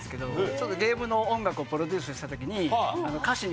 ちょっとゲームの音楽をプロデュースした時に。